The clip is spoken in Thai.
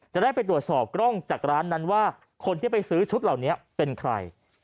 จะได้ไปตรวจสอบกล้องจากร้านนั้นว่าคนที่ไปซื้อชุดเหล่านี้เป็นใคร